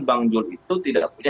bang jul itu tidak punya